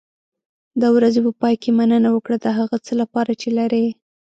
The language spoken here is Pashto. د ورځې په پای کې مننه وکړه د هغه څه لپاره چې لرې.